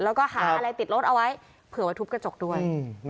แล้วก็หาอะไรติดรถเอาไว้เผื่อว่าทุบกระจกด้วย